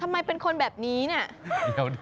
ทำไมเป็นคนแบบนี้เนี่ย